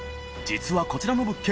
禺造こちらの物件